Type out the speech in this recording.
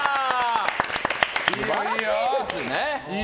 素晴らしいですね。